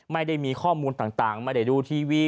ไม่ได้มีข้อมูลต่างไม่ได้ดูทีวี